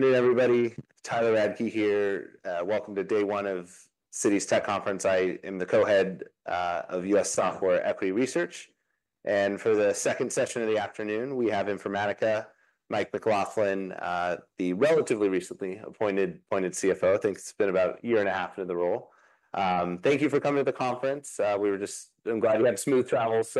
Good evening, everybody. Tyler Radke here. Welcome to day one of Citi Tech Conference. I am the co-head of U.S. Software Equity Research. And for the second session of the afternoon, we have Informatica, Mike McLaughlin, the relatively recently appointed CFO. I think it's been about a year and a half into the role. Thank you for coming to the conference. I'm glad you had smooth travels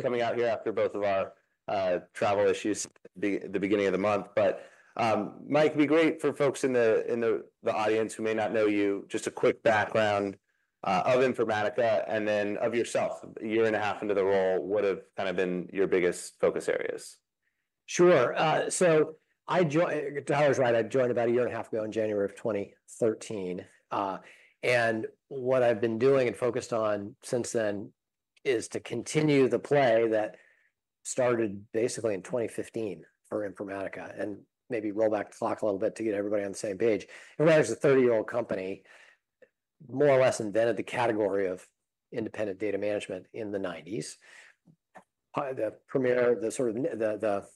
coming out here after both of our travel issues at the beginning of the month. But, Mike, it'd be great for folks in the audience who may not know you, just a quick background of Informatica and then of yourself. A year and a half into the role, what have kind of been your biggest focus areas? Sure. So I joined—Tyler's right, I joined about a year and a half ago, in January of 2023. And what I've been doing and focused on since then is to continue the play that started basically in twenty fifteen for Informatica, and maybe roll back the clock a little bit to get everybody on the same page. Informatica is a thirty-year-old company, more or less invented the category of independent data management in the nineties. The premier, sort of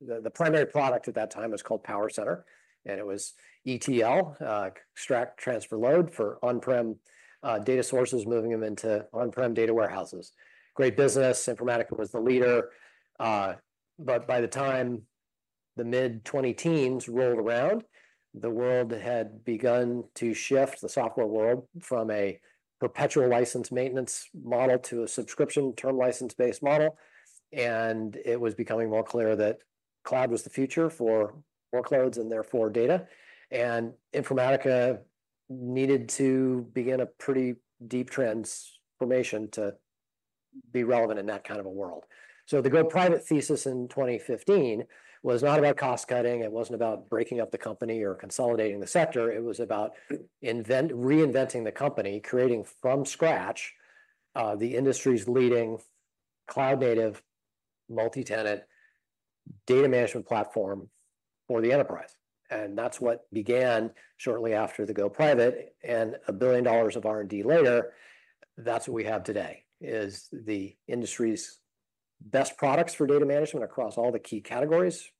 the primary product at that time was called PowerCenter, and it was ETL, extract, transform, load, for on-prem data sources, moving them into on-prem data warehouses. Great business. Informatica was the leader. But by the time the mid-twenty-teens rolled around, the world had begun to shift, the software world, from a perpetual license maintenance model to a subscription term license-based model. And it was becoming more clear that cloud was the future for workloads and therefore data, and Informatica needed to begin a pretty deep transformation to be relevant in that kind of a world. So the go private thesis in twenty fifteen was not about cost cutting, it wasn't about breaking up the company or consolidating the sector. It was about reinventing the company, creating from scratch, the industry's leading cloud-native, multi-tenant data management platform for the enterprise. And that's what began shortly after the go private. And $1 billion of R&D later, that's what we have today, is the industry's best products for data management across all the key categories.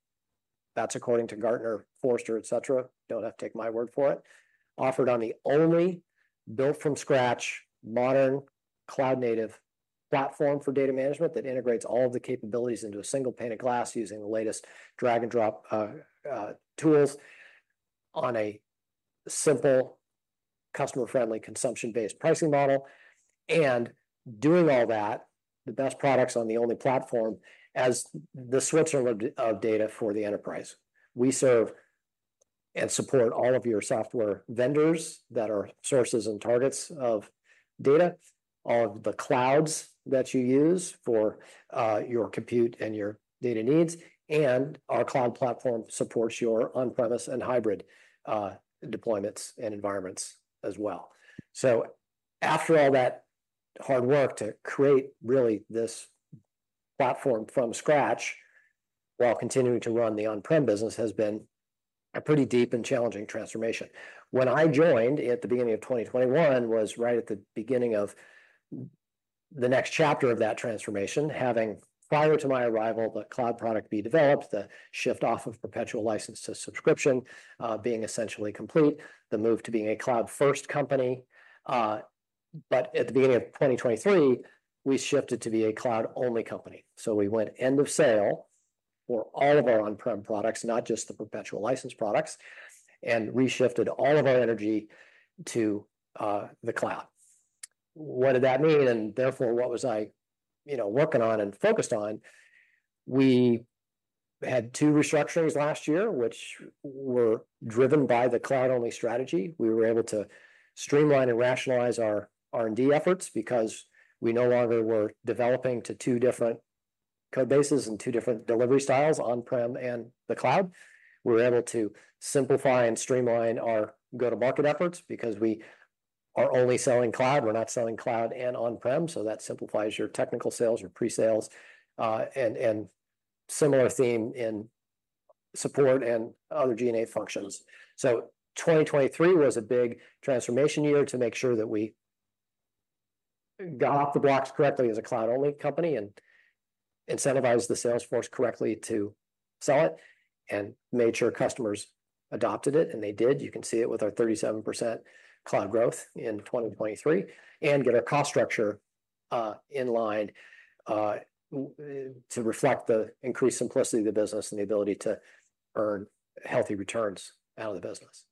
That's according to Gartner, Forrester, et cetera. Don't have to take my word for it. Offered on the only built-from-scratch, modern cloud-native platform for data management that integrates all of the capabilities into a single pane of glass, using the latest drag-and-drop tools on a simple, customer-friendly, consumption-based pricing model and doing all that, the best products on the only platform as the Switzerland of data for the enterprise. We serve and support all of your software vendors that are sources and targets of data, all of the clouds that you use for your compute and your data needs, and our cloud platform supports your on-premise and hybrid deployments and environments as well, so after all that hard work to create really this platform from scratch, while continuing to run the on-prem business, has been a pretty deep and challenging transformation. When I joined at the beginning of 2021, was right at the beginning of the next chapter of that transformation, having, prior to my arrival, the cloud product be developed, the shift off of perpetual license to subscription, being essentially complete, the move to being a cloud-first company, but at the beginning of 2023, we shifted to be a cloud-only company, so we went end of sale for all of our on-prem products, not just the perpetual license products, and we shifted all of our energy to the cloud. What did that mean and therefore, what was I, you know, working on and focused on? We had two restructurings last year, which were driven by the cloud-only strategy. We were able to streamline and rationalize our R&D efforts because we no longer were developing to two different codebases and two different delivery styles, on-prem and the cloud. We were able to simplify and streamline our go-to-market efforts because we are only selling cloud. We're not selling cloud and on-prem, so that simplifies your technical sales, your pre-sales, and similar theme in support and other G&A functions. So 2023 was a big transformation year to make sure that we got off the blocks correctly as a cloud-only company and incentivized the sales force correctly to sell it and made sure customers adopted it, and they did. You can see it with our 37% cloud growth in 2023, and get our cost structure in line to reflect the increased simplicity of the business and the ability to earn healthy returns out of the business.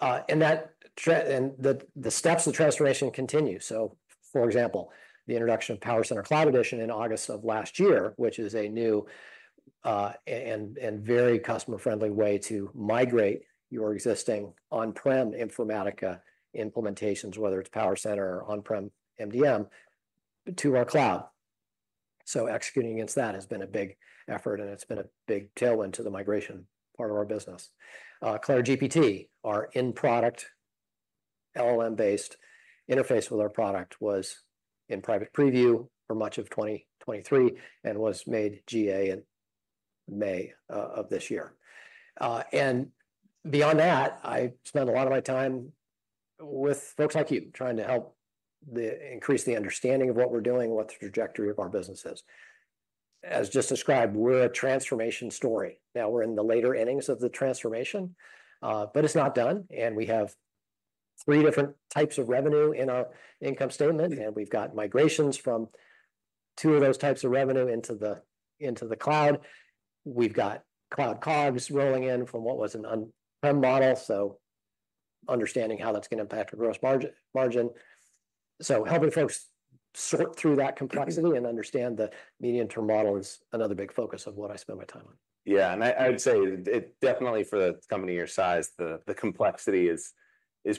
And the steps of transformation continue. So, for example, the introduction of PowerCenter Cloud Edition in August of last year, which is a new and very customer-friendly way to migrate your existing on-prem Informatica implementations, whether it's PowerCenter or on-prem MDM, to our cloud. So executing against that has been a big effort, and it's been a big tailwind to the migration part of our business. CLAIRE GPT, our in-product, LLM-based interface with our product, was in private preview for much of 2023 and was made GA in May of this year. And beyond that, I spent a lot of my time with folks like you, trying to help increase the understanding of what we're doing, what the trajectory of our business is. As just described, we're a transformation story. Now, we're in the later innings of the transformation, but it's not done, and we have three different types of revenue in our income statement, and we've got migrations from two of those types of revenue into the cloud. We've got cloud CAGRs rolling in from what was an on-prem model, so understanding how that's going to impact our gross margin. So helping folks sort through that complexity and understand the medium-term model is another big focus of what I spend my time on. Yeah, and I'd say it definitely for a company your size, the complexity is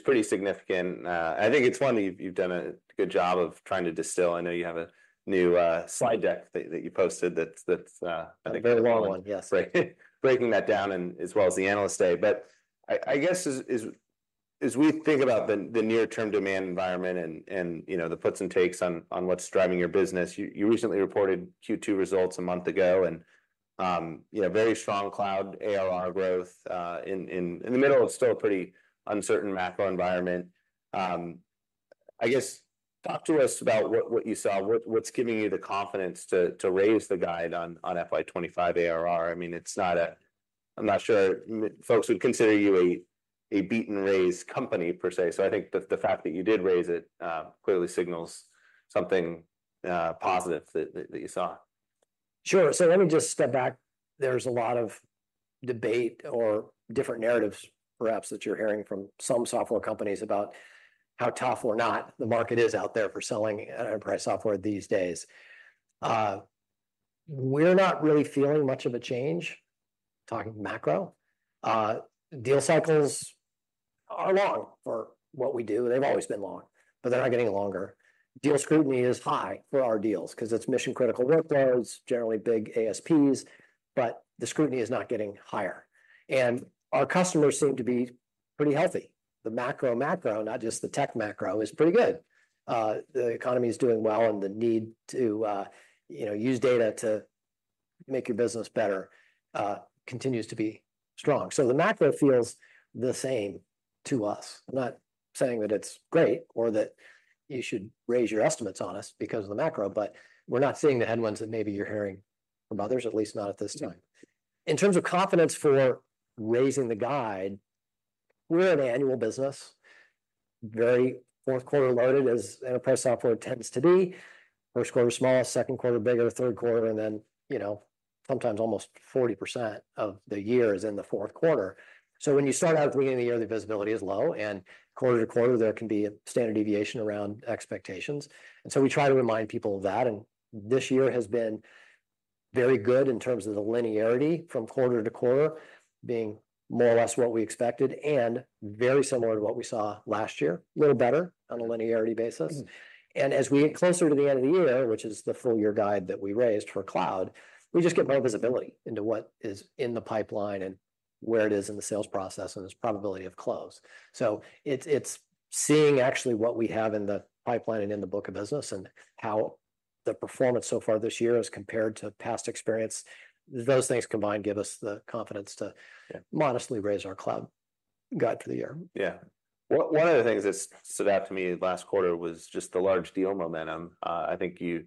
pretty significant. I think it's one that you've done a good job of trying to distill. I know you have a new slide deck that you posted that's A very long one, yes. Breaking that down and as well as the analyst day. But I guess as we think about the near-term demand environment and, you know, the puts and takes on what's driving your business, you recently reported Q2 results a month ago and, you know, very strong cloud ARR growth, in the middle of still a pretty uncertain macro environment. I guess talk to us about what you saw. What's giving you the confidence to raise the guide on FY 2025 ARR? I mean, it's not a. I'm not sure folks would consider you a beat-and-raise company per se. So I think the fact that you did raise it clearly signals something positive that you saw. Sure. So let me just step back. There's a lot of debate or different narratives, perhaps, that you're hearing from some software companies about how tough or not the market is out there for selling enterprise software these days. We're not really feeling much of a change, talking macro. Deal cycles are long for what we do. They've always been long, but they're not getting longer. Deal scrutiny is high for our deals 'cause it's mission-critical workloads, generally big ASPs, but the scrutiny is not getting higher, and our customers seem to be pretty healthy. The macro, not just the tech macro, is pretty good. The economy is doing well, and the need to, you know, use data to make your business better, continues to be strong. So the macro feels the same to us. I'm not saying that it's great or that you should raise your estimates on us because of the macro, but we're not seeing the headwinds that maybe you're hearing from others, at least not at this time. In terms of confidence for raising the guide, we're an annual business, very fourth quarter loaded, as enterprise software tends to be. First quarter small, second quarter bigger, third quarter, and then, you know, sometimes almost 40% of the year is in the fourth quarter. So when you start out at the beginning of the year, the visibility is low, and quarter to quarter there can be a standard deviation around expectations. And so we try to remind people of that, and this year has been very good in terms of the linearity from quarter to quarter, being more or less what we expected and very similar to what we saw last year. A little better on a linearity basis. Mm-hmm. And as we get closer to the end of the year, which is the full-year guide that we raised for cloud, we just get more visibility into what is in the pipeline and where it is in the sales process and its probability of close. So it's seeing actually what we have in the pipeline and in the book of business, and how the performance so far this year has compared to past experience. Those things combined give us the confidence to... Yeah... modestly raise our cloud guide for the year. Yeah. One of the things that stood out to me last quarter was just the large deal momentum. I think you,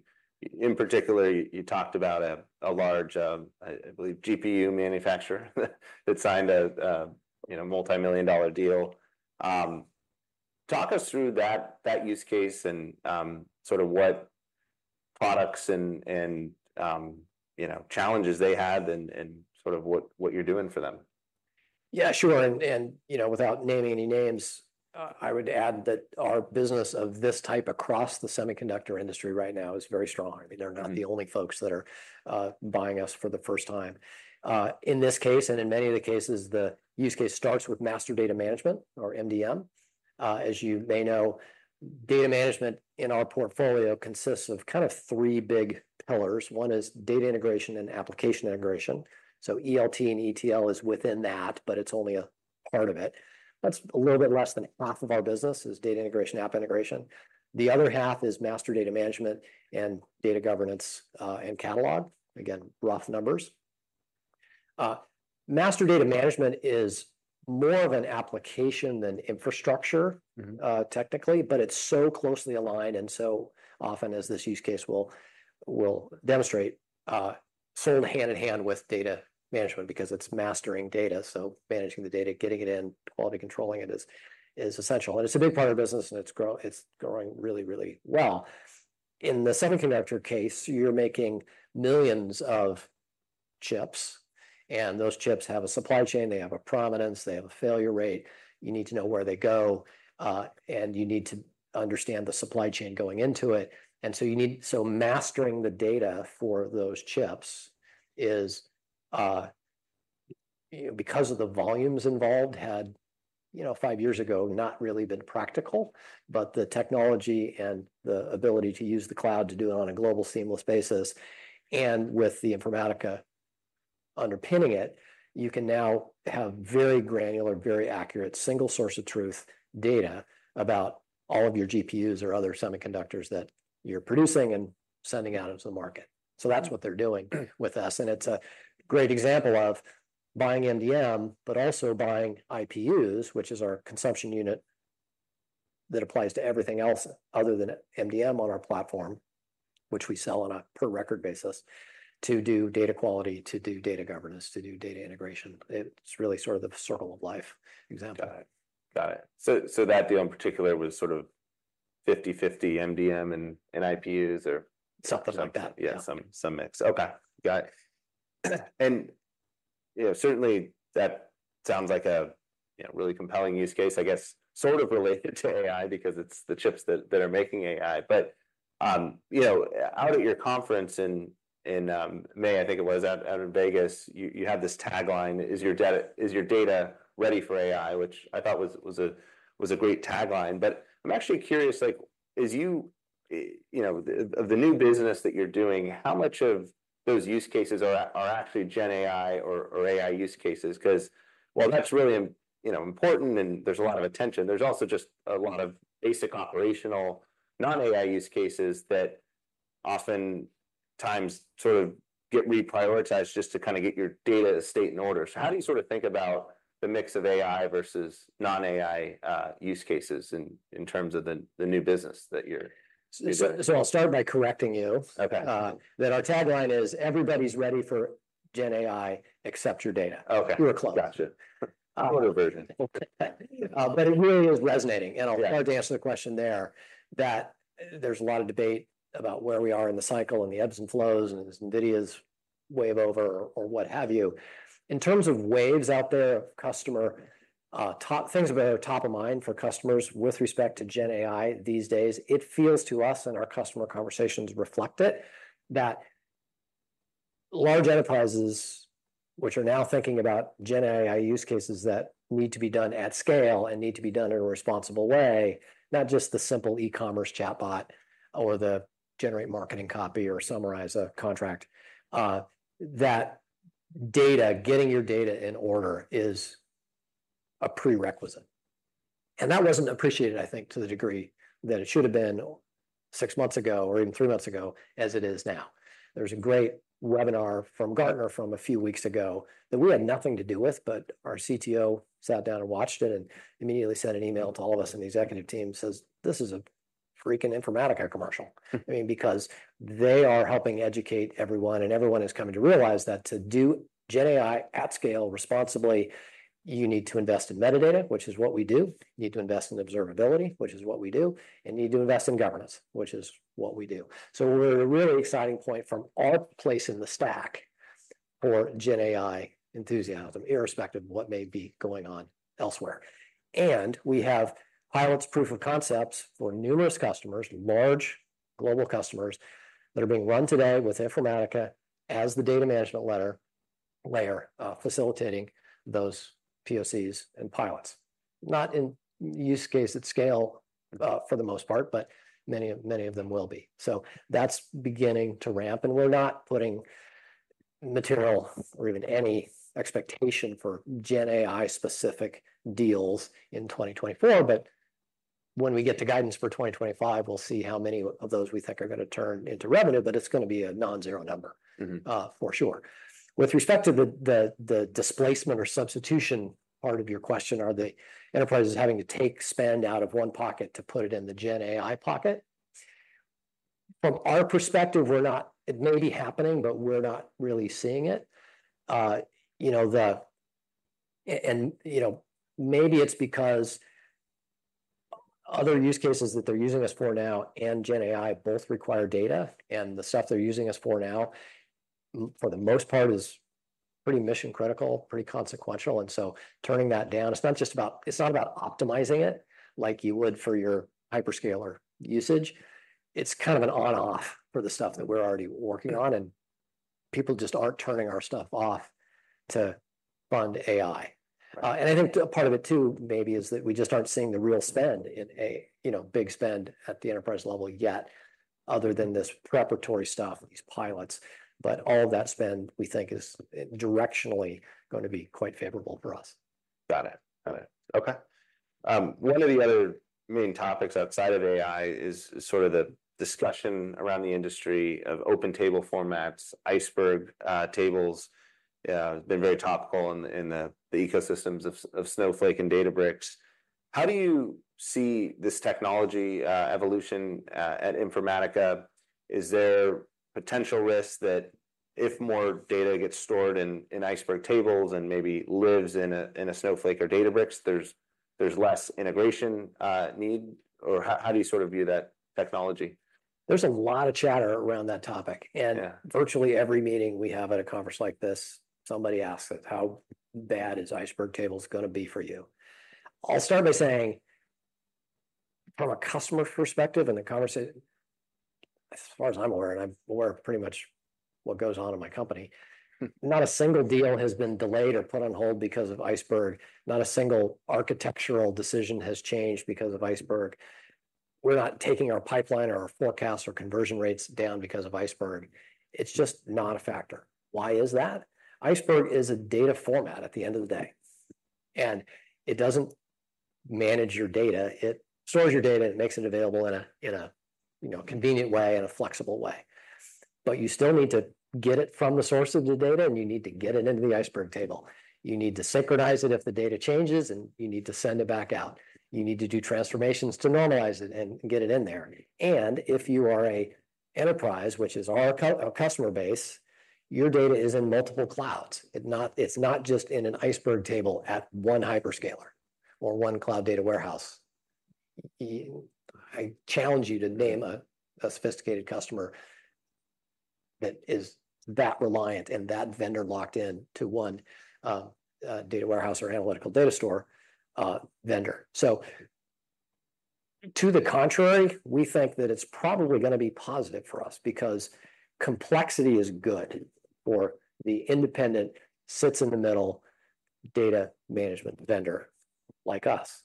in particular, talked about a large, I believe, GPU manufacturer that signed a, you know, multimillion-dollar deal. Talk us through that use case and sort of what products and challenges they had and sort of what you're doing for them. Yeah, sure, you know, without naming any names, I would add that our business of this type across the semiconductor industry right now is very strong. I mean, they're not the only folks that are buying us for the first time. In this case, and in many of the cases, the use case starts with Master Data Management, or MDM. As you may know, data management in our portfolio consists of kind of three big pillars. One is data integration and application integration, so ELT and ETL is within that, but it's only a part of it. That's a little bit less than half of our business, is data integration, app integration. The other half is Master Data Management and Data Governance, and catalog. Again, rough numbers. Master Data Management is more of an application than infrastructure- Mm-hmm... technically, but it's so closely aligned and so often, as this use case will demonstrate, sold hand in hand with data management because it's mastering data, so managing the data, getting it in, quality controlling it is essential, and it's a big part of the business, and it's growing really, really well. In the semiconductor case, you're making millions of chips, and those chips have a supply chain, they have a provenance, they have a failure rate. You need to know where they go, and you need to understand the supply chain going into it, and so you need so mastering the data for those chips is you know, because of the volumes involved, had you know five years ago not really been practical. But the technology and the ability to use the cloud to do it on a global, seamless basis, and with the Informatica underpinning it, you can now have very granular, very accurate, single source of truth data about all of your GPUs or other semiconductors that you're producing and sending out into the market. So that's what they're doing with us, and it's a great example of buying MDM, but also buying IPUs, which is our consumption unit that applies to everything else other than MDM on our platform, which we sell on a per record basis, to do data quality, to do data governance, to do data integration. It's really sort of the circle of life example. Got it. So that deal in particular was sort of 50/50 MDM and IPUs or- Something like that. Yeah, some mix. Okay, got it. And, you know, certainly that sounds like a really compelling use case, I guess sort of related to AI because it's the chips that are making AI. But you know, out at your conference in May, I think it was, out in Vegas, you had this tagline: "Is your data, is your data ready for AI?" Which I thought was a great tagline. But I'm actually curious, like, as you know, the of the new business that you're doing, how much of those use cases are actually GenAI or AI use cases? 'Cause while that's really, you know, important, and there's a lot of attention, there's also just a lot of basic operational, non-AI use cases that oftentimes sort of get reprioritized just to kind of get your data state in order. So how do you sort of think about the mix of AI versus non-AI use cases in terms of the new business that you're doing? I'll start by correcting you. Okay. That our tagline is, "Everybody's ready for GenAI except your data. Okay. We're close. Gotcha. Older version. Okay. But it really is resonating. Yeah. I'll start to answer the question there, that there's a lot of debate about where we are in the cycle, and the ebbs and flows, and there's NVIDIA's wave over or what have you. In terms of waves out there of customer top of mind things that are top of mind for customers with respect to GenAI these days, it feels to us, and our customer conversations reflect it, that large enterprises, which are now thinking about GenAI use cases that need to be done at scale and need to be done in a responsible way, not just the simple e-commerce chatbot or the generate marketing copy or summarize a contract. That data, getting your data in order, is a prerequisite, and that wasn't appreciated, I think, to the degree that it should have been six months ago or even three months ago, as it is now. There's a great webinar from Gartner from a few weeks ago that we had nothing to do with, but our CTO sat down and watched it and immediately sent an email to all of us, and the executive team says, "This is a freaking Informatica commercial." I mean, because they are helping educate everyone, and everyone is coming to realize that to do GenAI at scale responsibly, you need to invest in metadata, which is what we do. You need to invest in observability, which is what we do. You need to invest in governance, which is what we do. So we're at a really exciting point from our place in the stack for GenAI enthusiasm, irrespective of what may be going on elsewhere. And we have pilots, proof of concepts for numerous customers, large global customers, that are being run today with Informatica as the data management layer, facilitating those POCs and pilots. Not in use case at scale, for the most part, but many of them will be. So that's beginning to ramp, and we're not putting material or even any expectation for GenAI-specific deals in 2024. But when we get to guidance for 2025, we'll see how many of those we think are gonna turn into revenue, but it's gonna be a non-zero number- Mm-hmm... for sure. With respect to the displacement or substitution part of your question, are the enterprises having to take spend out of one pocket to put it in the GenAI pocket? From our perspective, we're not. It may be happening, but we're not really seeing it. You know, and you know, maybe it's because other use cases that they're using us for now and GenAI both require data, and the stuff they're using us for now, for the most part, is pretty mission-critical, pretty consequential, and so turning that down, it's not just about. It's not about optimizing it like you would for your hyperscaler usage. It's kind of an on/off for the stuff that we're already working on, and people just aren't turning our stuff off to fund AI. Right. And I think part of it too, maybe, is that we just aren't seeing the real spend in a, you know, big spend at the enterprise level yet, other than this preparatory stuff, these pilots. But all of that spend, we think, is directionally going to be quite favorable for us. Got it. Got it. Okay. One of the other main topics outside of AI is sort of the discussion around the industry of open table formats. Iceberg tables been very topical in the ecosystems of Snowflake and Databricks. How do you see this technology evolution at Informatica? Is there potential risk that if more data gets stored in Iceberg tables and maybe lives in a Snowflake or Databricks, there's less integration need? Or how do you sort of view that technology? There's a lot of chatter around that topic. Yeah. Virtually every meeting we have at a conference like this, somebody asks us, "How bad is Iceberg tables gonna be for you? Mm. I'll start by saying, from a customer perspective as far as I'm aware, and I'm aware of pretty much what goes on in my company. Hmm... not a single deal has been delayed or put on hold because of Iceberg. Not a single architectural decision has changed because of Iceberg. We're not taking our pipeline or our forecast or conversion rates down because of Iceberg. It's just not a factor. Why is that? Iceberg is a data format at the end of the day... and it doesn't manage your data. It stores your data, and it makes it available in a you know, convenient way and a flexible way. But you still need to get it from the source of the data, and you need to get it into the Iceberg table. You need to synchronize it if the data changes, and you need to send it back out. You need to do transformations to normalize it and get it in there. If you are a enterprise, which is our customer base, your data is in multiple clouds. It's not just in an Iceberg table at one hyperscaler or one cloud data warehouse. I challenge you to name a sophisticated customer that is that reliant and that vendor locked in to one data warehouse or analytical data store vendor. To the contrary, we think that it's probably gonna be positive for us because complexity is good for the independent, sits in the middle data management vendor like us.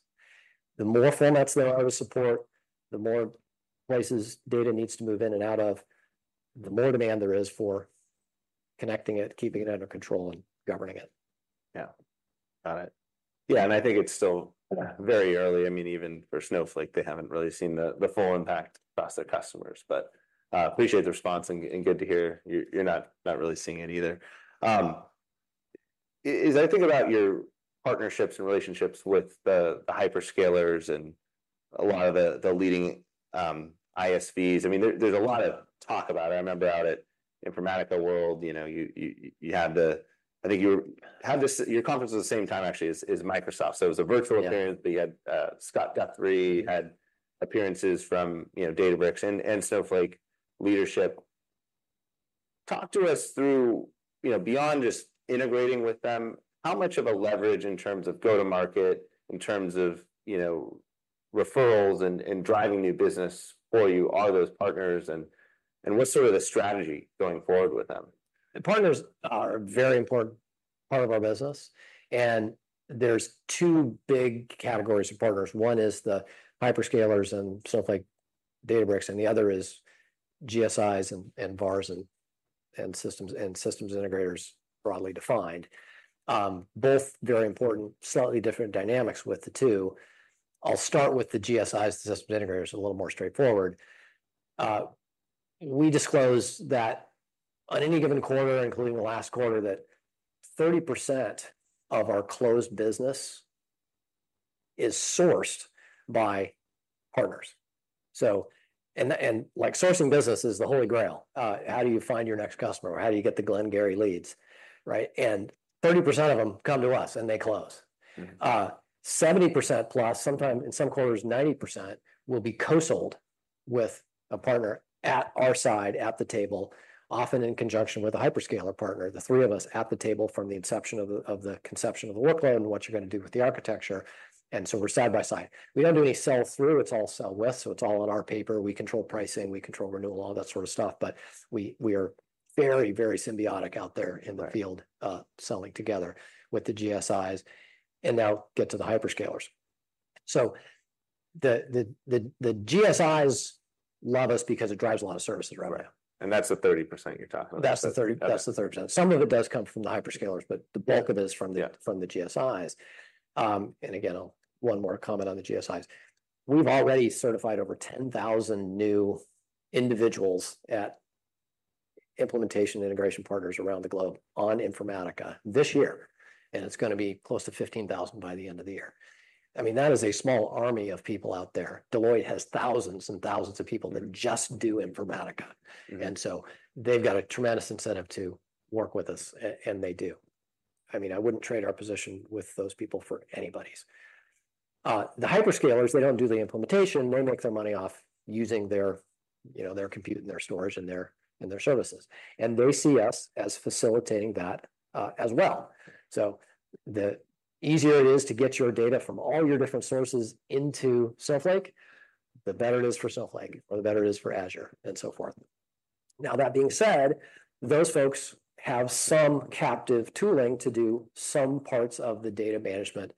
The more formats they'll have to support, the more places data needs to move in and out of, the more demand there is for connecting it, keeping it under control, and governing it. Yeah. Got it. Yeah, and I think it's still very early. I mean, even for Snowflake, they haven't really seen the full impact across their customers. But appreciate the response and good to hear you're not really seeing it either. As I think about your partnerships and relationships with the hyperscalers and a lot of the leading ISVs, I mean, there's a lot of talk about it. I remember out at Informatica World, you know, you had the... I think you had your conference at the same time actually as Microsoft, so it was a virtual appearance- Yeah... but you had, Scott Guthrie- Yeah Had appearances from, you know, Databricks and, and Snowflake leadership. Talk to us through, you know, beyond just integrating with them, how much of a leverage in terms of go-to-market, in terms of, you know, referrals and, and driving new business for you, are those partners and, and what's sort of the strategy going forward with them? The partners are a very important part of our business, and there's two big categories of partners. One is the hyperscalers and Snowflake, Databricks, and the other is GSIs and VARs and systems integrators, broadly defined. Both very important, slightly different dynamics with the two. I'll start with the GSIs, the system integrators, a little more straightforward. We disclosed that on any given quarter, including the last quarter, that 30% of our closed business is sourced by partners. So, like, sourcing business is the Holy Grail. How do you find your next customer? Or how do you get the Glengarry leads, right? And 30% of them come to us, and they close. Mm-hmm. 70% plus, sometime in some quarters, 90%, will be co-sold with a partner at our side, at the table, often in conjunction with a hyperscaler partner. The three of us at the table from the inception of the conception of the workload and what you're gonna do with the architecture, and so we're side by side. We don't do any sell through, it's all sell with, so it's all on our paper. We control pricing, we control renewal, all that sort of stuff, but we are very, very symbiotic out there- Right... in the field, selling together with the GSIs. And now get to the hyperscalers. So the GSIs love us because it drives a lot of services around. That's the 30% you're talking about? That's the thirty, that's the 30%. Some of it does come from the hyperscalers, but the bulk- Yeah... of it is from the Yeah... from the GSIs, and again, one more comment on the GSIs. We've already certified over 10,000 new individuals at implementation and integration partners around the globe on Informatica this year, and it's gonna be close to 15,000 by the end of the year. I mean, that is a small army of people out there. Deloitte has thousands and thousands of people that just do Informatica. Mm-hmm. And so they've got a tremendous incentive to work with us, and they do. I mean, I wouldn't trade our position with those people for anybody's. The hyperscalers, they don't do the implementation. They make their money off using their, you know, their compute and their storage and their, and their services, and they see us as facilitating that, as well. So the easier it is to get your data from all your different sources into Snowflake, the better it is for Snowflake or the better it is for Azure, and so forth. Now, that being said, those folks have some captive tooling to do some parts of the data management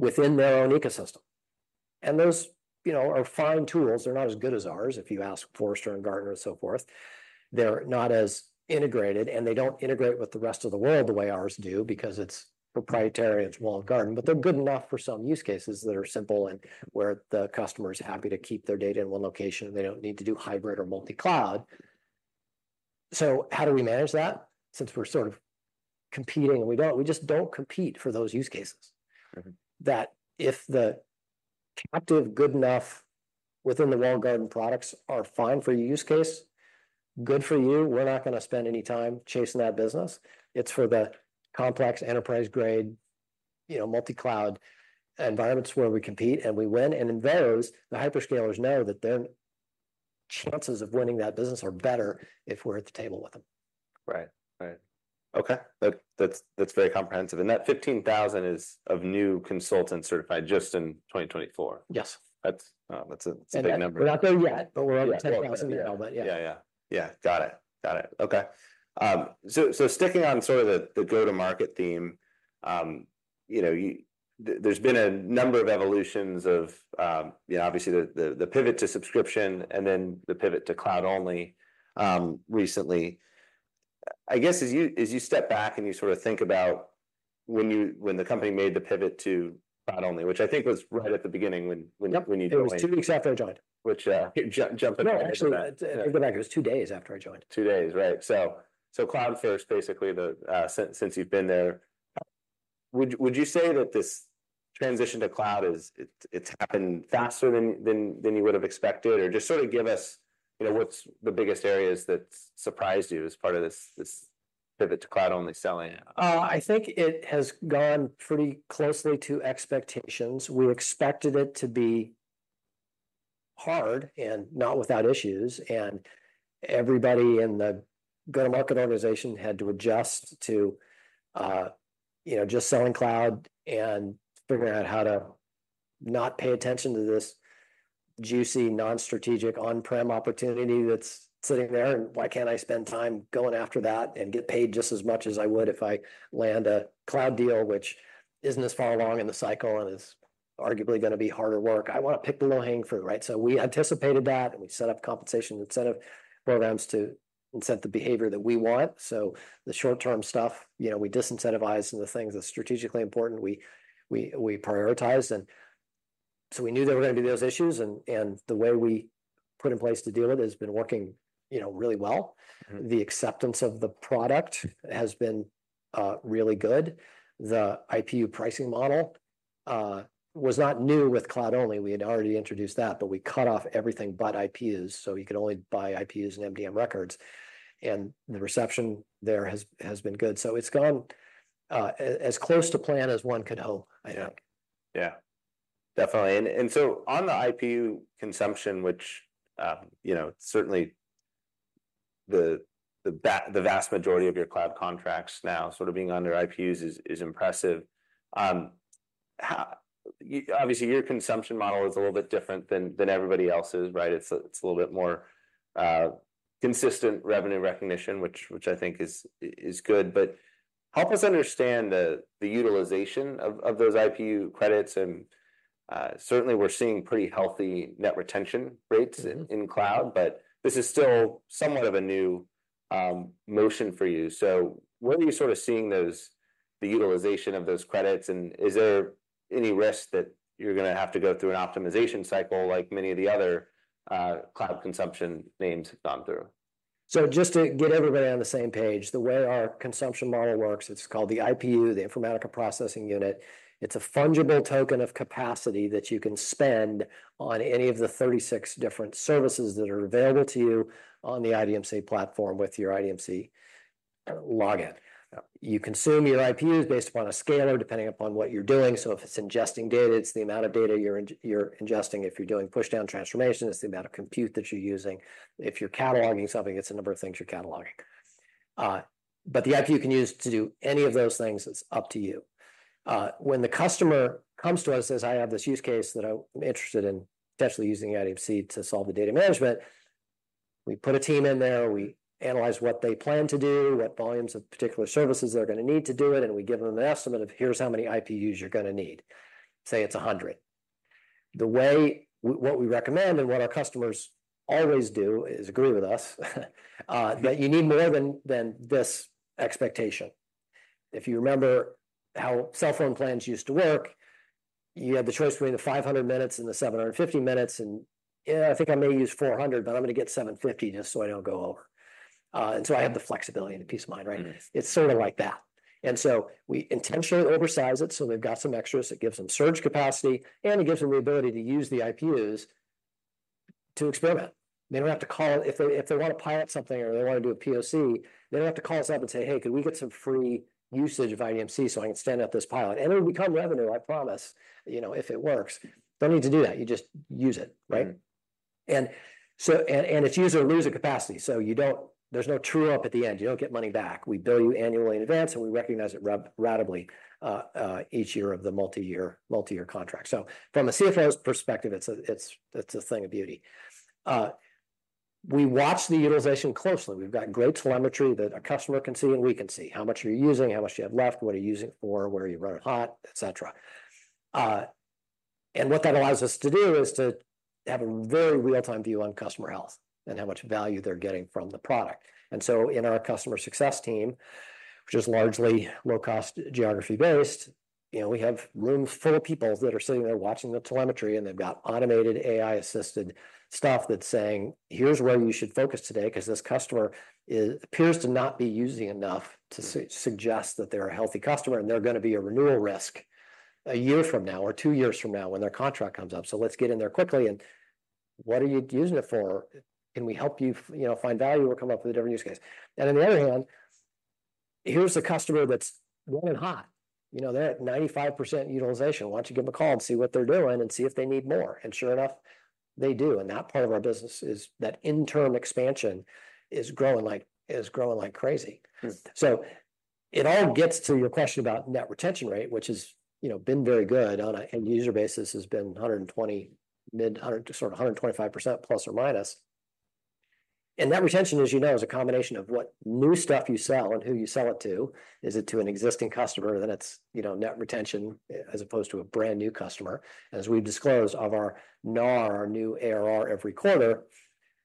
within their own ecosystem, and those, you know, are fine tools. They're not as good as ours, if you ask Forrester and Gartner and so forth. They're not as integrated, and they don't integrate with the rest of the world the way ours do because it's proprietary, it's walled garden. But they're good enough for some use cases that are simple and where the customer is happy to keep their data in one location, and they don't need to do hybrid or multi-cloud. So how do we manage that, since we're sort of competing? And we don't, we just don't compete for those use cases- Mm-hmm ... that if the captive good enough within the walled garden products are fine for your use case, good for you. We're not gonna spend any time chasing that business. It's for the complex, enterprise-grade, you know, multi-cloud environments where we compete and we win. And in those, the hyperscalers know that their chances of winning that business are better if we're at the table with them. Right. Right. Okay, that's very comprehensive. And that 15,000 is of new consultants certified just in 2024? Yes. That's a, it's a big number. We're not there yet, but we're over 10,000 now- Yeah… but yeah. Yeah, yeah. Yeah, got it. Got it. Okay. So sticking on sort of the go-to-market theme, you know, there's been a number of evolutions of, you know, obviously, the pivot to subscription and then the pivot to cloud only, recently. I guess as you step back and you sort of think about when the company made the pivot to not only, which I think was right at the beginning when. Yep. When you joined. It was two weeks after I joined. Which, jumping- No, actually, it was two days after I joined. Two days, right, so cloud-first, basically, since you've been there, would you say that this transition to cloud is, it's happened faster than you would've expected, or just sort of give us, you know, what's the biggest areas that surprised you as part of this pivot to cloud-only selling? I think it has gone pretty closely to expectations. We expected it to be hard and not without issues, and everybody in the go-to-market organization had to adjust to, you know, just selling cloud and figuring out how to not pay attention to this juicy, non-strategic, on-prem opportunity that's sitting there. And why can't I spend time going after that and get paid just as much as I would if I land a cloud deal, which isn't as far along in the cycle and is arguably gonna be harder work? I want to pick the low-hanging fruit, right? So we anticipated that, and we set up compensation incentive programs to incent the behavior that we want. So the short-term stuff, you know, we disincentivized, and the things that are strategically important, we prioritized. And so we knew there were gonna be those issues, and the way we put in place to deal with it has been working, you know, really well. Mm-hmm. The acceptance of the product has been really good. The IPU pricing model was not new with cloud only. We had already introduced that, but we cut off everything but IPUs, and MDM records, and the reception there has been good. So it's gone as close to plan as one could hope, I think. Yeah. Yeah, definitely. And so on the IPU consumption, which, you know, certainly the vast majority of your cloud contracts now sort of being under IPUs is impressive. How... Obviously, your consumption model is a little bit different than everybody else's, right? It's a little bit more consistent revenue recognition, which I think is good. But help us understand the utilization of those IPU credits. And certainly we're seeing pretty healthy net retention rates- Mm-hmm... in cloud, but this is still somewhat of a new motion for you. So where are you sort of seeing those, the utilization of those credits, and is there any risk that you're gonna have to go through an optimization cycle like many of the other cloud consumption names have gone through? Just to get everybody on the same page, the way our consumption model works, it's called the IPU, the Informatica Processing Unit. It's a fungible token of capacity that you can spend on any of the thirty-six different services that are available to you on the IDMC platform with your IDMC login. You consume your IPUs based upon a scalar, depending upon what you're doing. If it's ingesting data, it's the amount of data you're ingesting. If you're doing pushdown transformation, it's the amount of compute that you're using. If you're cataloging something, it's the number of things you're cataloging. But the IPU you can use to do any of those things, it's up to you. When the customer comes to us, says, "I have this use case that I'm interested in potentially using IDMC to solve the data management," we put a team in there, we analyze what they plan to do, what volumes of particular services they're gonna need to do it, and we give them an estimate of, "Here's how many IPUs you're gonna need." Say it's 100. The way what we recommend and what our customers always do is agree with us, that you need more than this expectation. If you remember how cell phone plans used to work, you had the choice between the five hundred minutes and the seven hundred and fifty minutes, and, "Yeah, I think I may use four hundred, but I'm gonna get seven fifty just so I don't go over, and so I have the flexibility and the peace of mind," right? Mm-hmm. It's sort of like that. And so we intentionally oversize it, so they've got some extras. It gives them surge capacity, and it gives them the ability to use the IPUs to experiment. They don't have to call... If they, if they want to pilot something or they want to do a POC, they don't have to call us up and say, "Hey, could we get some free usage of IDMC so I can stand up this pilot?" And it'll become revenue, I promise. You know, if it works, don't need to do that. You just use it, right? Mm-hmm. It's use it or lose it capacity, so you don't. There's no true-up at the end. You don't get money back. We bill you annually in advance, and we recognize it ratably each year of the multi-year contract. So from a CFO's perspective, it's a thing of beauty. We watch the utilization closely. We've got great telemetry that a customer can see, and we can see how much you're using, how much you have left, what are you using it for, where are you running hot, et cetera. What that allows us to do is to have a very real-time view on customer health and how much value they're getting from the product. In our customer success team, which is largely low-cost, geography-based, you know, we have rooms full of people that are sitting there watching the telemetry, and they've got automated, AI-assisted stuff that's saying, "Here's where you should focus today, 'cause this customer appears to not be using enough to suggest that they're a healthy customer, and they're gonna be a renewal risk a year from now or two years from now when their contract comes up. So let's get in there quickly, and what are you using it for? Can we help you, you know, find value or come up with a different use case?" On the other hand, "Here's a customer that's running hot. You know, they're at 95% utilization. Why don't you give them a call and see what they're doing and see if they need more?" And sure enough, they do. And that part of our business is... That interim expansion is growing like, is growing like crazy. Mm-hmm. So it all gets to your question about net retention rate, which has, you know, been very good on a end-user basis, has been 120, mid hundred, sort of 125%, plus or minus. And net retention, as you know, is a combination of what new stuff you sell and who you sell it to. Is it to an existing customer? Then it's, you know, net retention, as opposed to a brand-new customer. As we've disclosed of our NARR, new ARR, every quarter,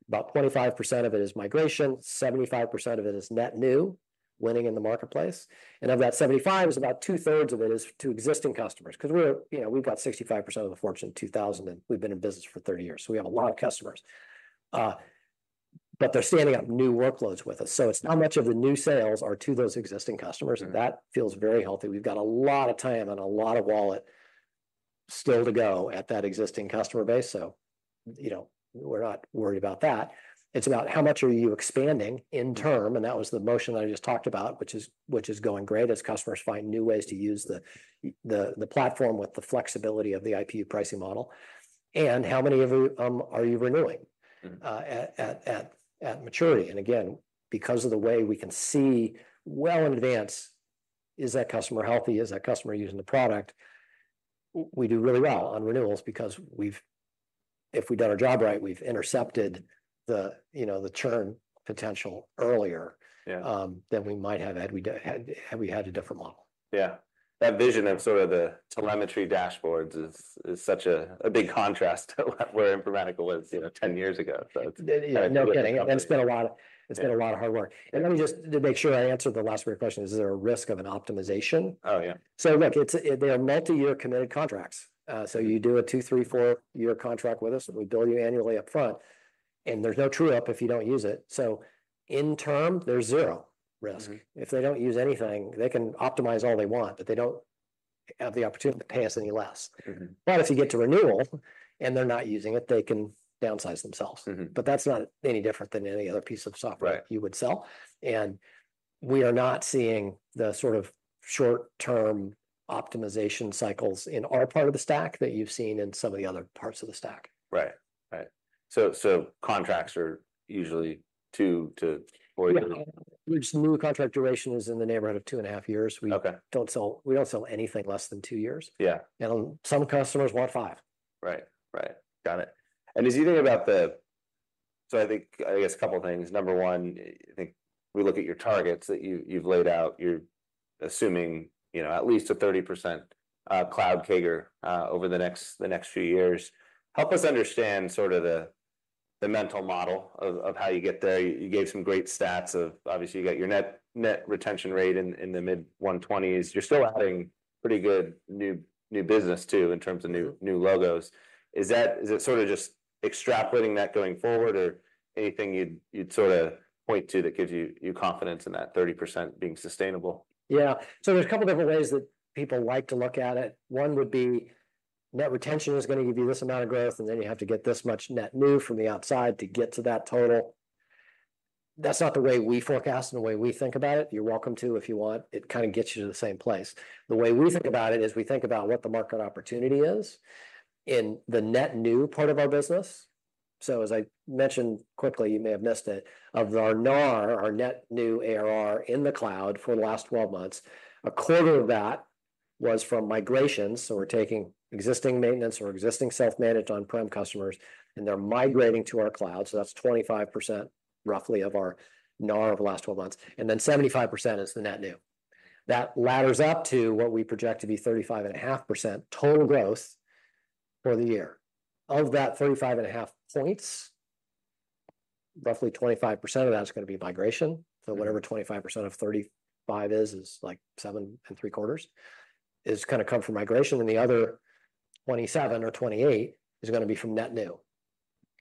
about 25% of it is migration, 75% of it is net new, winning in the marketplace. And of that 75, is about two-thirds of it is to existing customers, 'cause we're, you know, we've got 65% of the Fortune 2000, and we've been in business for 30 years, so we have a lot of customers. But they're standing up new workloads with us, so it's how much of the new sales are to those existing customers. Mm. -and that feels very healthy. We've got a lot of time and a lot of wallet still to go at that existing customer base, so, you know, we're not worried about that. It's about how much are you expanding in term, and that was the motion that I just talked about, which is going great as customers find new ways to use the platform with the flexibility of the IPU pricing model, and how many of you are you renewing- Mm. At maturity? And again, because of the way we can see well in advance, is that customer healthy? Is that customer using the product? We do really well on renewals because we've... If we've done our job right, we've intercepted the, you know, the churn potential earlier- Yeah than we might have had, had we had a different model. Yeah. That vision of sort of the telemetry dashboards is such a big contrast to where Informatica was, you know, ten years ago, so it's- Yeah, no kidding, and it's been a lot of- Yeah. It's been a lot of hard work. And let me just to make sure I answered the last of your question, is there a risk of an optimization? Oh, yeah. So look, it's, they are multi-year committed contracts. So you do a two, three, four-year contract with us, and we bill you annually upfront, and there's no true-up if you don't use it. So in term, there's zero risk. Mm-hmm. If they don't use anything, they can optimize all they want, but they don't have the opportunity to pay us any less. Mm-hmm. But if you get to renewal and they're not using it, they can downsize themselves. Mm-hmm. But that's not any different than any other piece of software. Right... you would sell. And we are not seeing the sort of short-term optimization cycles in our part of the stack that you've seen in some of the other parts of the stack. Right. So, contracts are usually two to or- Yeah, which the new contract duration is in the neighborhood of two and a half years. Okay. We don't sell anything less than two years. Yeah. Some customers want five. Right. Right, got it. And as you think about so I think, I guess a couple of things. Number one, I think we look at your targets that you've laid out. You're assuming, you know, at least 30% cloud CAGR over the next few years. Help us understand sort of the mental model of how you get there. You gave some great stats of obviously, you got your net-net retention rate in the mid-120s. Mm. You're still adding pretty good new business too, in terms of new logos. Is it sort of just extrapolating that going forward, or anything you'd sort of point to that gives you confidence in that 30% being sustainable? Yeah. So there's a couple different ways that people like to look at it. One would be, net retention is gonna give you this amount of growth, and then you have to get this much net new from the outside to get to that total. That's not the way we forecast and the way we think about it. You're welcome to, if you want. It kind of gets you to the same place. The way we think about it is we think about what the market opportunity is in the net new part of our business. So as I mentioned quickly, you may have missed it, of our NARR, our net new ARR in the cloud for the last twelve months, a quarter of that was from migrations. So we're taking existing maintenance or existing self-managed on-prem customers, and they're migrating to our cloud. That's 25%, roughly of our NARR over the last 12 months, and then 75% is the net new. That ladders up to what we project to be 35.5% total growth for the year. Of that 35.5 points, roughly 25% of that is gonna be migration. Mm. So whatever 25% of 35 is, is like 7.75, is gonna come from migration, and the other 27%-28% is gonna be from net new.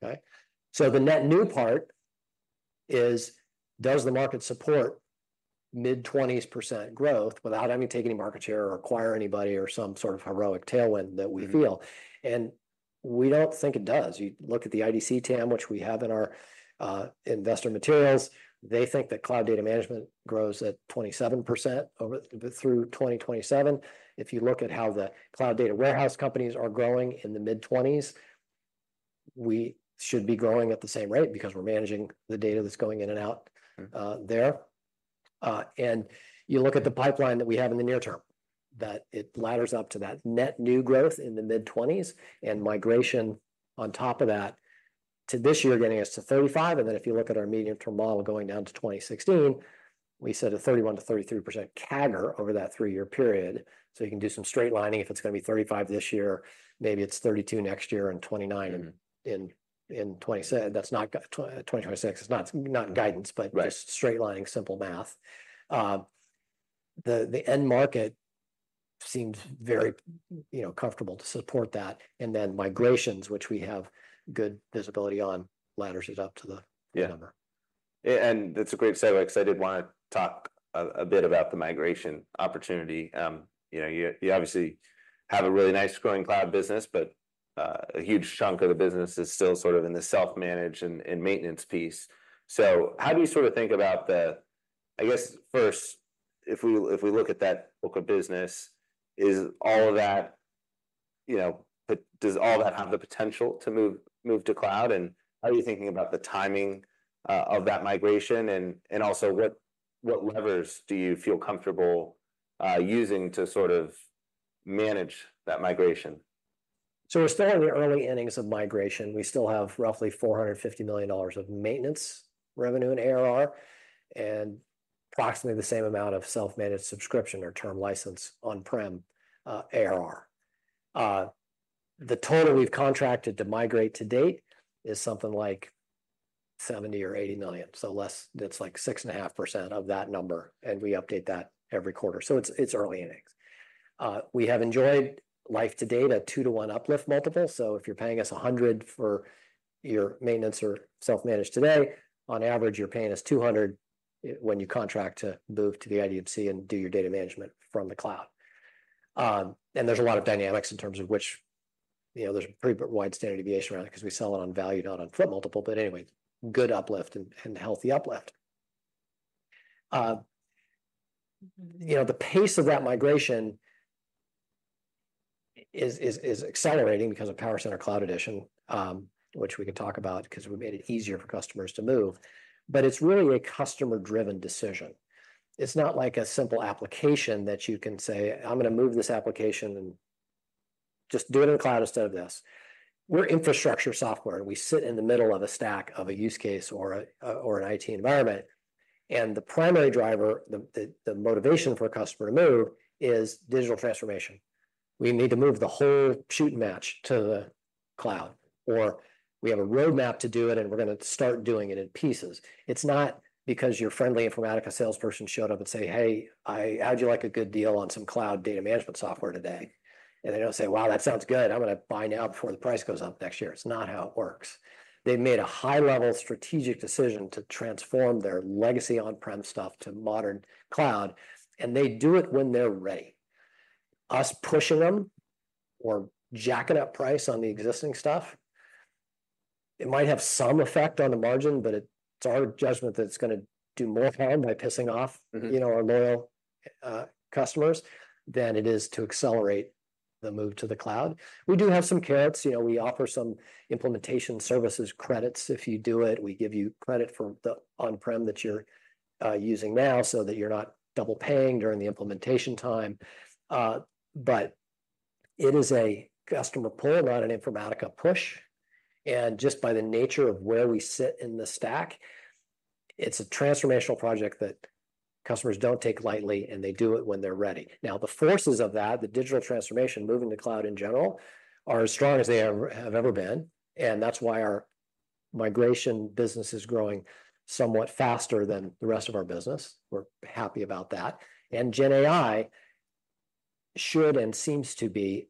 Okay? So the net new part is: Does the market support mid-20s% growth without having to take any market share or acquire anybody or some sort of heroic tailwind that we feel? Mm. And we don't think it does. You look at the IDC TAM, which we have in our investor materials. They think that cloud data management grows at 27% through 2027. If you look at how the cloud data warehouse companies are growing in the mid-20s, we should be growing at the same rate because we're managing the data that's going in and out. Mm... there. And you look at the pipeline that we have in the near term, that it ladders up to that net new growth in the mid-twenties, and migration on top of that to this year, getting us to 35%. And then if you look at our medium-term model going down to 2026, we said a 31-33% CAGR over that three-year period. So you can do some straight lining. If it's gonna be 35% this year, maybe it's 32% next year and 29- Mm... in twenty twenty-five six. It's not guidance- Right... but just straight lining, simple math. The end market seems very, you know, comfortable to support that. And then migrations, which we have good visibility on, ladders it up to the- Yeah... number. That's a great segue because I did want to talk a bit about the migration opportunity. You know, you obviously have a really nice growing cloud business, but a huge chunk of the business is still sort of in the self-manage and maintenance piece. So how do you sort of think about the... I guess first, if we look at that book of business, is all of that, you know, does all that have the potential to move to cloud, and how are you thinking about the timing of that migration, and also, what levers do you feel comfortable using to sort of manage that migration? So we're still in the early innings of migration. We still have roughly $450 million of maintenance revenue and ARR, and approximately the same amount of self-managed subscription or term license on-prem ARR. The total we've contracted to migrate to date is something like $70 million or $80 million. So that's like 6.5% of that number, and we update that every quarter. So it's early innings. We have enjoyed life to date at 2-to-1 uplift multiple. So if you're paying us 100 for your maintenance or self-managed today, on average, you're paying us 200 when you contract to move to the IDMC and do your data management from the cloud. And there's a lot of dynamics in terms of which, you know, there's a pretty wide standard deviation around it 'cause we sell it on value, not on foot multiple, but anyway, good uplift and healthy uplift. You know, the pace of that migration is accelerating because of PowerCenter Cloud Edition, which we can talk about 'cause we made it easier for customers to move, but it's really a customer-driven decision. It's not like a simple application that you can say, "I'm gonna move this application and just do it in the cloud instead of this." We're infrastructure software, and we sit in the middle of a stack of a use case or an IT environment, and the primary driver, the motivation for a customer to move is digital transformation. We need to move the whole shooting match to the cloud, or we have a roadmap to do it, and we're gonna start doing it in pieces. It's not because your friendly Informatica salesperson showed up and say, "Hey, how'd you like a good deal on some cloud data management software today?" And they don't say, "Wow, that sounds good. I'm gonna buy now before the price goes up next year." It's not how it works. They've made a high-level strategic decision to transform their legacy on-prem stuff to modern cloud, and they do it when they're ready. Us pushing them or jacking up price on the existing stuff, it might have some effect on the margin, but it's our judgment that it's gonna do more harm by pissing off. Mm-hmm. You know, our loyal customers, than it is to accelerate the move to the cloud. We do have some carrots. You know, we offer some implementation services credits. If you do it, we give you credit for the on-prem that you're using now, so that you're not double-paying during the implementation time. But it is a customer pull, not an Informatica push, and just by the nature of where we sit in the stack, it's a transformational project that customers don't take lightly, and they do it when they're ready. Now, the forces of that, the digital transformation, moving to cloud in general, are as strong as they ever have been, and that's why our migration business is growing somewhat faster than the rest of our business. We're happy about that. GenAI should and seems to be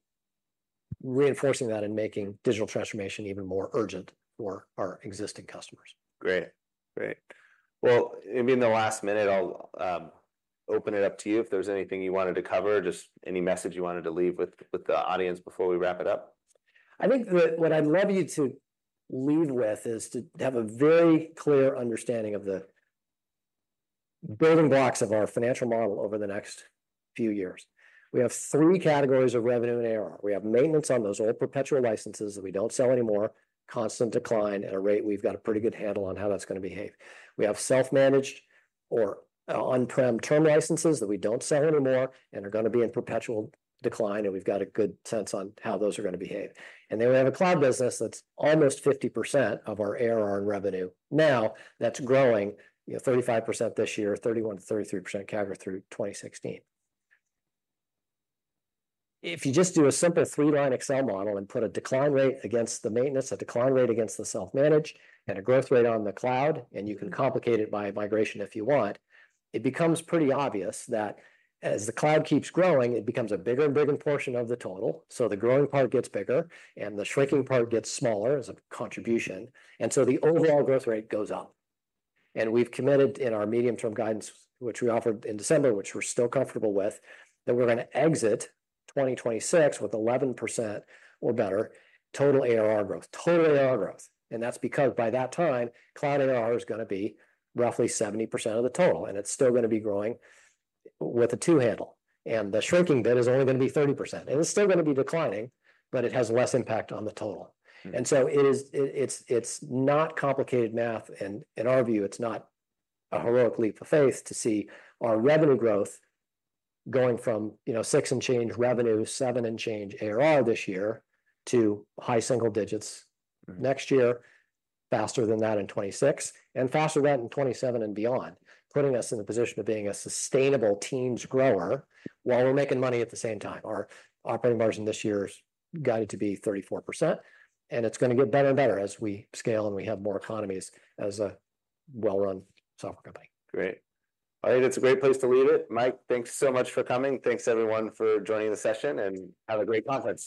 reinforcing that and making digital transformation even more urgent for our existing customers. Great. Great. In the last minute, I'll open it up to you if there's anything you wanted to cover or just any message you wanted to leave with the audience before we wrap it up. I think that what I'd love you to leave with is to have a very clear understanding of the building blocks of our financial model over the next few years. We have three categories of revenue and ARR. We have maintenance on those old perpetual licenses that we don't sell anymore, constant decline at a rate we've got a pretty good handle on how that's gonna behave. We have self-managed or on-prem term licenses that we don't sell anymore and are gonna be in perpetual decline, and we've got a good sense on how those are gonna behave. And then we have a cloud business that's almost 50% of our ARR revenue. Now, that's growing, you know, 35% this year, 31%-33% CAGR through 2026. If you just do a simple three-line Excel model and put a decline rate against the maintenance, a decline rate against the self-managed, and a growth rate on the cloud, and you can complicate it by migration if you want, it becomes pretty obvious that as the cloud keeps growing, it becomes a bigger and bigger portion of the total. So the growing part gets bigger, and the shrinking part gets smaller as a contribution, and so the overall growth rate goes up. And we've committed in our medium-term guidance, which we offered in December, which we're still comfortable with, that we're gonna exit 2026 with 11% or better total ARR growth. Total ARR growth. That's because, by that time, cloud ARR is gonna be roughly 70% of the total, and it's still gonna be growing with a two handle, and the shrinking bit is only gonna be 30%. And it's still gonna be declining, but it has less impact on the total. Mm-hmm. So it is. It's not complicated math, and in our view, it's not a heroic leap of faith to see our revenue growth going from, you know, six and change revenue, seven and change ARR this year, to high single digits- Mm... next year, faster than that in 2026, and faster than that in 2027 and beyond, putting us in the position of being a sustainable teens grower while we're making money at the same time. Our operating margin this year is guided to be 34%, and it's gonna get better and better as we scale, and we have more economies as a well-run software company. Great. I think that's a great place to leave it. Mike, thanks so much for coming. Thanks, everyone, for joining the session, and have a great conference!